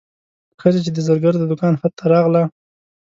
ښځه چې د زرګر د دوکان حد ته راغله.